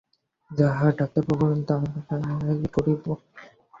যাহা ডাক্তারবাবু বলেন, তাহাই করিব।